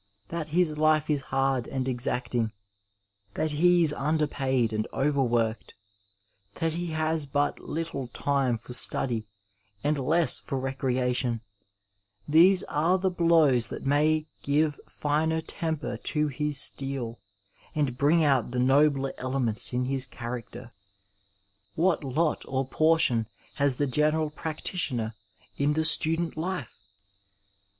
That his life is hard and exacting ; that he is underpaid and overworked ; that he has but little time for study and less for recreation — ^these are the blows that may give finer temper to his steel, and bring out the nobler elements in his character. What lot or portion has the general practitioner in the student life